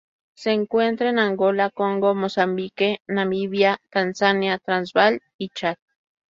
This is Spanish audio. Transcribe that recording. Se encuentra en Angola, Congo, Mozambique, Namibia, Tanzania, Transvaal y el Chad.